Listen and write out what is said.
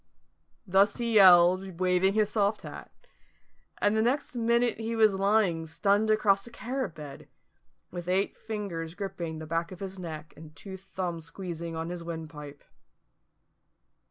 Thus he yelled, waving his soft hat: and the next minute was lying stunned across a carrot bed, with eight fingers gripping the back of his neck and two thumbs squeezing on his windpipe.